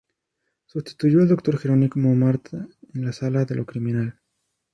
Sustituyó al doctor Gerónimo Marta en la sala de lo criminal.